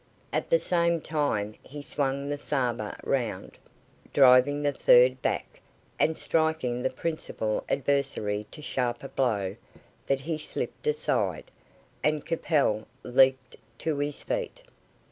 At the same time he swung the sabre round, driving the third back, and striking the principal adversary so sharp a blow that he slipped aside, and Capel leaped to his feet.